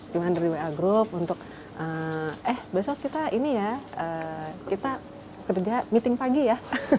cuman dari wa group untuk eh besok kita ini ya kita kerja meeting pagi ya